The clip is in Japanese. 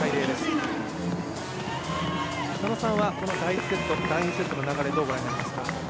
佐野さんはこの第１セット、第２セットの流れどうご覧になりますか？